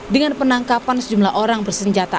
dengan penangkapan sejumlah orang bersenjata